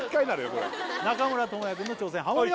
これ中村倫也君の挑戦ハモリ